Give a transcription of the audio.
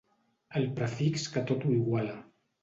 El prefix que tot ho iguala.